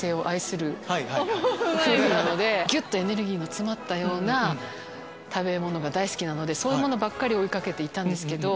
ぎゅっとエネルギーの詰まった食べ物が大好きなのでそういうものばっかり追い掛けていたんですけど。